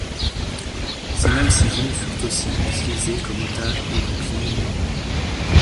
Ces mêmes civils furent aussi utilisés comme otages ou boucliers humains.